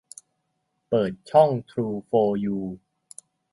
เปิดช่องทรูโฟร์ยู